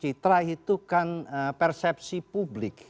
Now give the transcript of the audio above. citra itu kan persepsi publik